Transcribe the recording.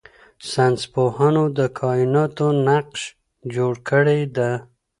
ساینس پوهانو د کائناتو نقشه جوړه کړې ده.